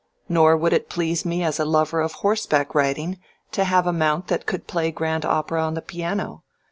Nor would it please me as a lover of horseback riding to have a mount that could play grand opera on the piano.